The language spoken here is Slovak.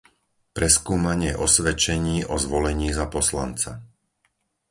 Preskúmanie osvedčení o zvolení za poslanca